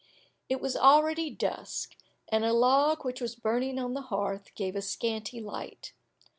It was already dusk, and a log which was burning on the hearth gave a scanty light.